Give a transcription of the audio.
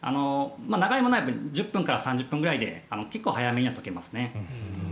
長いものは１０分から３０分ぐらいで結構早めに解けますね。